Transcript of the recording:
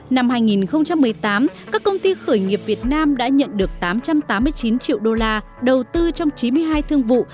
năm hai nghìn một mươi tám các công ty khởi nghiệp việt nam đã nhận được tám trăm tám mươi chín triệu đô la đầu tư trong chín mươi hai thương vụ